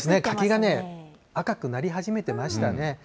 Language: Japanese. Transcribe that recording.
柿が赤くなり始めてましたね。